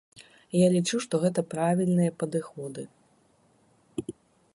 Я лічу, што гэта правільныя падыходы.